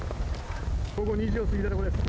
午後２時を過ぎたところです。